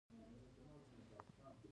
زړه وینه دېرش متره لوړولی شي.